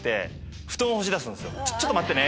ちょっと待ってね！